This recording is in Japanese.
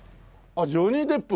あっジョニー・デップ？